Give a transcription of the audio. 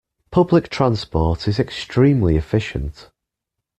Public transport is extremely efficient.